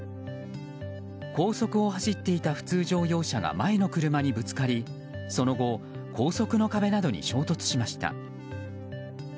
高速を走っていた普通乗用車が前の車にぶつかりその後、高速の壁などに衝突しました。